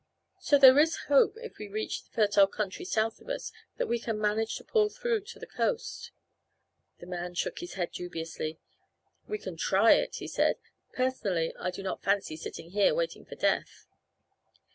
So there is hope if we can reach the fertile country south of us that we can manage to pull through to the coast." The man shook his head dubiously. "We can try it," he said. "Personally, I do not fancy sitting here waiting for death."